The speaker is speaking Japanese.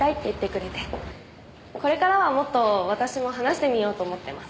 これからはもっと私も話してみようと思ってます。